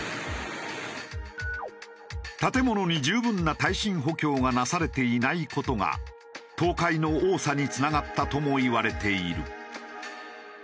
建物に十分な耐震補強がなされていない事が倒壊の多さにつながったともいわれている。